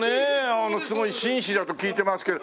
すごい紳士だと聞いてますけど。